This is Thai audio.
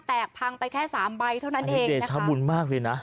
แตกพังไปแค่๓ใบเท่านั้นเองอันนี้เดชบุลมากดีนะ